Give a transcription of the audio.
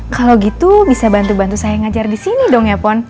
kalau gitu bisa bantu bantu saya ngajar di sini dong ya pon